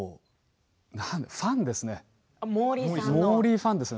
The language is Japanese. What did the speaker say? ファンですね。